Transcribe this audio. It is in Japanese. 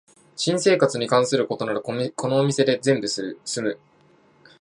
新生活に関することならこのお店で全部すむ